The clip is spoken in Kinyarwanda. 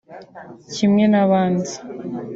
kimwe n’abandi